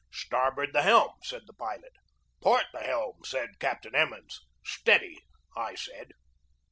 "Starboard the helm!" said the pilot. "Port the helm!" said Captain Emmons. "Steady!" I said.